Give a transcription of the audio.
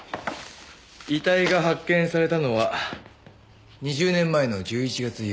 遺体が発見されたのは２０年前の１１月８日。